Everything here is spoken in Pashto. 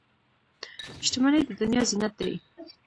• شتمني د دنیا زینت دی.